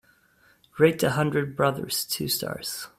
Rate The Hundred Brothers two stars.